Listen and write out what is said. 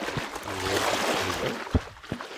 Yuba ur d-yeqqil akk.